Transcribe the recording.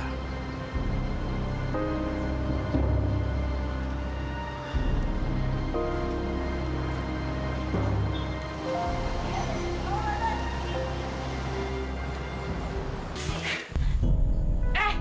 aurel akan tambah celaka